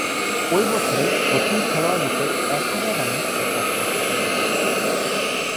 ঐ বছরে প্রথম-খেলোয়াড়রূপে এক হাজার রানের কোটা স্পর্শ করেন।